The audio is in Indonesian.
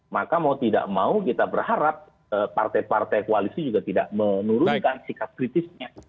maka mau tidak mau kita berharap partai partai koalisi juga tidak menurunkan sikap kritisnya